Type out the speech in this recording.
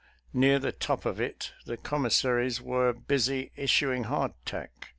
Near the top of it the commissaries were busy issuing hard tack.